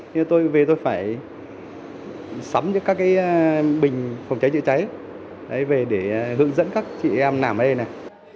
nhưng tôi về tôi phải sắm các bình phòng cháy cháy cháy về để hướng dẫn các chị em làm ở đây này